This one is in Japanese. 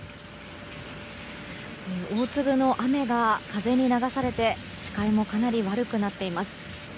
大粒の雨が風に流されて視界もかなり悪くなっています。